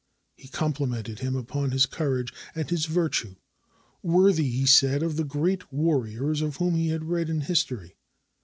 He complimented him upon his courage and his virtue, worthy, he said, of the great warriors of whom he had read in history.